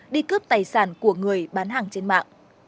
đi cướp tài sản của người bán hàng trên mạng